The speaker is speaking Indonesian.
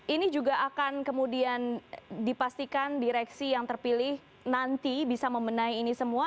ini juga akan kemudian dipastikan direksi yang terpilih nanti bisa membenahi ini semua